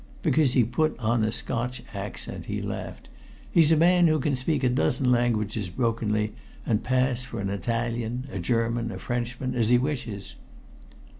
"Because he put on a Scotch accent," he laughed. "He's a man who can speak a dozen languages brokenly, and pass for an Italian, a German, a Frenchman, as he wishes."